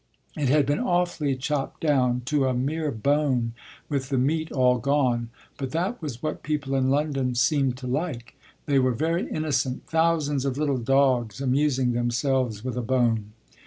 It had been awfully chopped down, to a mere bone, with the meat all gone; but that was what people in London seemed to like. They were very innocent thousands of little dogs amusing themselves with a bone.